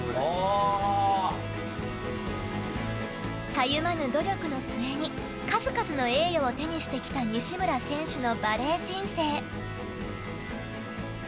たゆまぬ努力の末に数々の栄誉を手にしてきた西村選手のバレー人生。